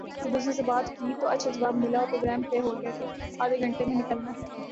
جب دوستوں سے بات کی تو اچھا جواب ملا اور پروگرام طے ہو گیا کہ آدھےگھنٹے میں نکلنا ہے ۔